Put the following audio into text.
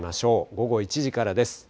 午後１時からです。